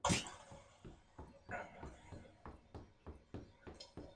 Elenco original